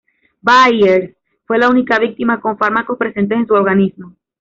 Byers fue la única víctima con fármacos presentes en su organismo.